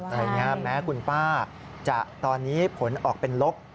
แต่แม้คุณป้าจะตอนนี้ผลออกเป็นลบ